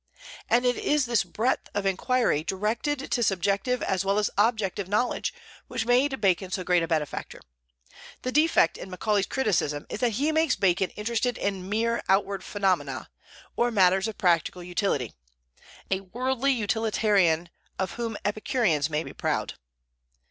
And it is this breadth of inquiry directed to subjective as well as objective knowledge which made Bacon so great a benefactor. The defect in Macaulay's criticism is that he makes Bacon interested in mere outward phenomena, or matters of practical utility, a worldly utilitarian of whom Epicureans may be proud.